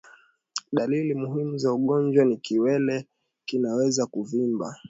Dalili muhimu za ugonjwa ni kiwele kinaweza kuvimba